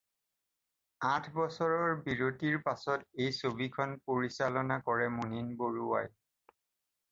আঠ বছৰৰ বিৰতিৰ পাছত এই ছবিখন পৰিচালনা কৰে মুনিন বৰুৱাই।